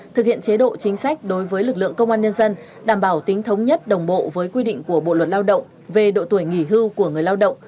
thực hiện chế độ chính sách đối với lực lượng công an nhân dân đảm bảo tính thống nhất đồng bộ với quy định của bộ luật lao động về độ tuổi nghỉ hưu của người lao động